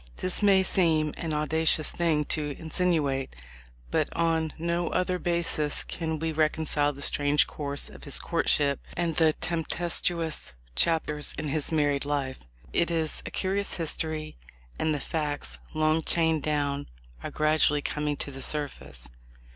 This may seem an audacious thing to in sinuate, but on no other basis can we reconcile the strange course of his courtship and the tempestuous 205 206 THE LIFE 0F LINCOLN. chapters in his married life. It is a curious history, and the facts, long chained down, are gradually com ing to the surface.